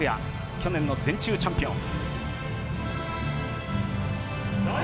去年の全中チャンピオン。